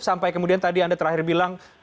sampai kemudian tadi anda terakhir bilang